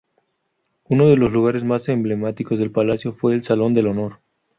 Uno de los lugares más emblemáticos del Palacio fue el Salón de Honor.